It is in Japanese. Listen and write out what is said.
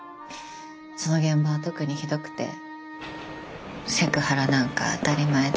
その現場は特にひどくてセクハラなんか当たり前で。